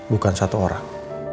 bukan satu orang